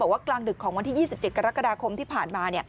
กลางดึกของวันที่๒๗กรกฎาคมที่ผ่านมา